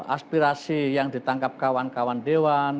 aspirasi yang ditangkap kawan kawan dewan